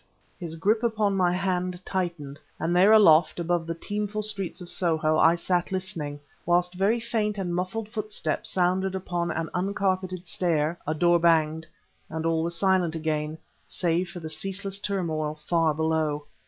His grip upon my hand tightened; and there aloft, above the teemful streets of Soho, I sat listening ... whilst very faint and muffled footsteps sounded upon an uncarpeted stair, a door banged, and all was silent again, save for the ceaseless turmoil far below.